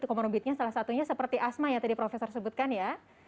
comorbidnya salah satunya seperti asma yang tadi profesor sebutkan ya